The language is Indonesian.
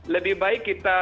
lebih baik kita terima